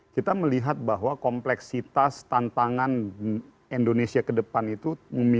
kita melihat bahwa kompleksitas tantangan indonesia ke depan itu